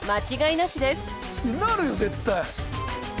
なるよ絶対。